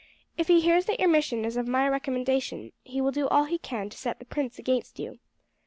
If he hears that your mission is of my recommendation he will do all he can to set the prince against you.